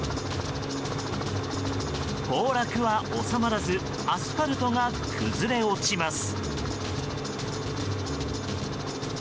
崩落は収まらずアスファルトが崩れ落ちます。